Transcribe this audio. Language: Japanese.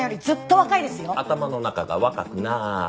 頭の中が若くない。